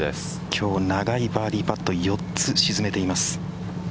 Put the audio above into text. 今日、長いバーディーパット４つ沈めています。